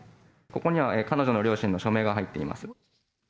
ここには彼女の両親の署名が入っています。